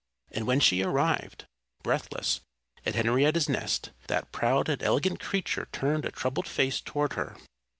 And when she arrived, breathless, at Henrietta's nest that proud and elegant creature turned a troubled face toward her.